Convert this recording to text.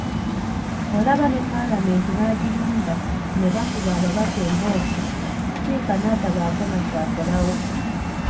Olaba ne paalamenti baagirumba ne bakuba ababaka embooko sipiika natabaako na kyakolawo.